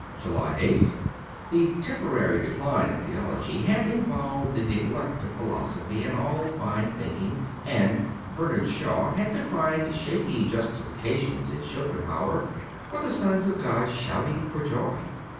209 JULY 8th THE temporary decline of theology had involved the neglect of philosophy and all fine think ing, and Bernard Shaw had to find shaky justifications in Schopenhauer for the sons of God shouting for joy.